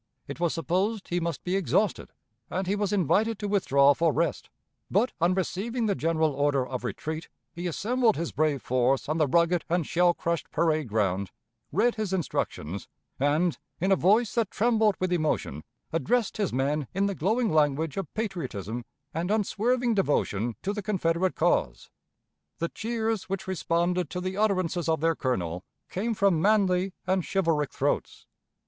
It was supposed he must be exhausted, and he was invited to withdraw for rest, but, on receiving the general order of retreat, he assembled his brave force on the rugged and shell crushed parade ground, read his instructions, and, in a voice that trembled with emotion, addressed his men in the glowing language of patriotism and unswerving devotion to the Confederate cause. The cheers, which responded to the utterances of their colonel, came from manly and chivalric throats.